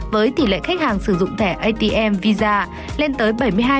với tỷ lệ khách hàng sử dụng thẻ atm visa lên tới bảy mươi hai